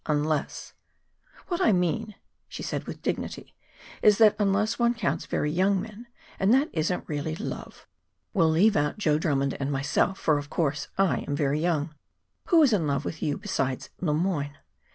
Unless " "What I meant," she said with dignity, "is that unless one counts very young men, and that isn't really love." "We'll leave out Joe Drummond and myself for, of course, I am very young. Who is in love with you besides Le Moyne?